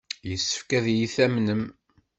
Yessefk ad iyi-tamnem.